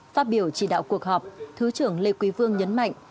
phát biểu chỉ đạo cuộc họp thứ trưởng lê quý vương nhấn mạnh